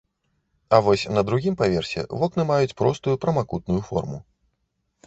А вось на другім паверсе вокны маюць простую прамакутную форму.